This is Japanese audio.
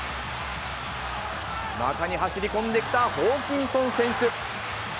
中に走り込んできたホーキンソン選手。